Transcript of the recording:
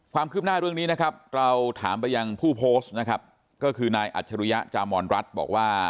ความคืบหน้าเรื่องนี้นะครับเราถามไปยังผู้โพสต์ก็คือไนอัจฉรุยะจามรรวรรดิ์บอกว่า